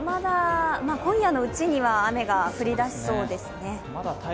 今夜のうちには雨が降りだしそうですね。